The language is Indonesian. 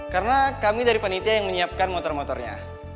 karena kami dari panitia yang menyiapkan motor motornya